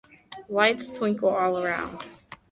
Lights twinkle all around.